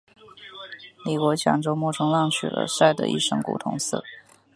李国强周末冲浪去了，晒得一身古铜色。